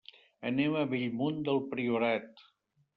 Anem a Bellmunt del Priorat.